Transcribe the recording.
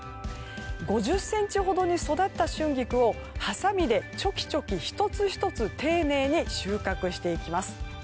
５０ｃｍほどに育った春菊をハサミでチョキチョキ１つ１つ丁寧に収穫していきます。